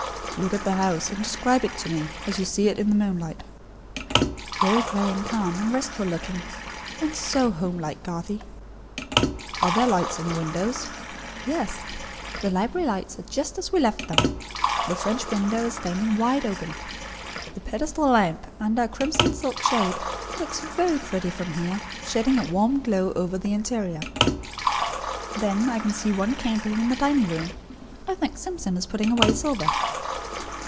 "Look at the house, and describe it to me, as you see it in the moonlight." "Very grey, and calm, and restful looking. And so home like, Garthie." "Are there lights in the windows?" "Yes. The library lights are just as we left them. The French window is standing wide open. The pedestal lamp, under a crimson silk shade, looks very pretty from here, shedding a warm glow over the interior. Then, I can see one candle in the dining room. I think Simpson is putting away silver."